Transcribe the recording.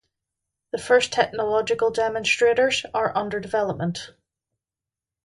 The first technological demonstrators are under development.